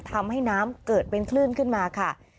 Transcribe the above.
ทำให้น้ำเกิดเป็นคลื่นขึ้นมาค่ะ